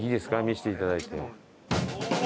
見せていただいて。